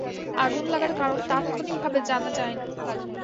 আগুন লাগার কারণ তাৎক্ষণিকভাবে জানা যায়নি।